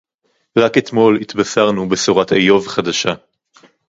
רק אתמול התבשרנו בשורת איוב חדשה